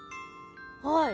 はい。